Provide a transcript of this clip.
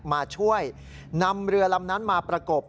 มาช่วยนำเรือลำนั้นมาประกบ